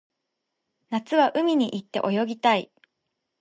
夏は海に行って泳ぎたい